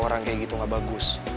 orang kayak gitu gak bagus